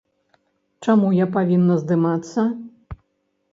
Чаму я павінна здымацца?